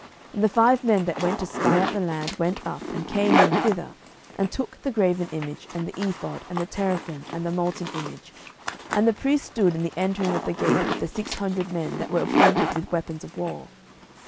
07:018:017 And the five men that went to spy out the land went up, and came in thither, and took the graven image, and the ephod, and the teraphim, and the molten image: and the priest stood in the entering of the gate with the six hundred men that were appointed with weapons of war.